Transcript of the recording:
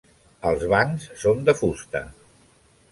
Els bancs són de fusta.